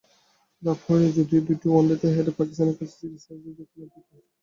লাভ হয়নি যদিও, দুটি ওয়ানডেতেই হেরে পাকিস্তানের কাছে সিরিজ হেরেছে দক্ষিণ আফ্রিকা।